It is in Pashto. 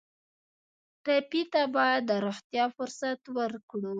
ټپي ته باید د روغتیا فرصت ورکړو.